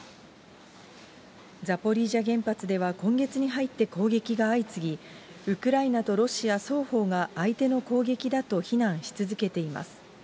ザポリージャ原発では今月に入って攻撃が相次ぎ、ウクライナとロシア双方が相手の攻撃だと非難し続けています。